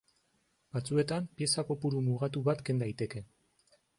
Batzuetan, pieza kopuru mugatu bat ken daiteke.